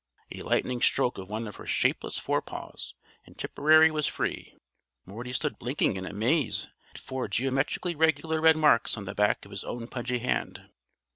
A lightning stroke of one of her shapeless fore paws, and Tipperary was free. Morty stood blinking in amaze at four geometrically regular red marks on the back of his own pudgy hand.